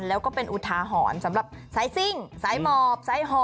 แล้วก็เป็นอุทาหรณ์สำหรับสายซิ่งสายหมอบสายห่อ